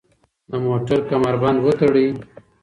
د موټر کمربند وتړئ.